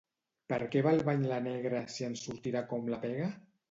Per què va al bany la negra si en sortirà com la pega?